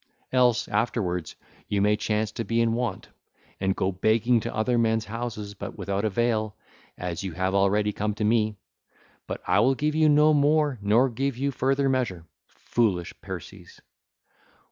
Else, afterwards, you may chance to be in want, and go begging to other men's houses, but without avail; as you have already come to me. But I will give you no more nor give you further measure. Foolish Perses!